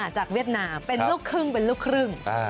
จากเวียสนามเป็นลูกครึ่ง